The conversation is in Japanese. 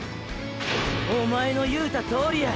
おまえの言うたとおりや！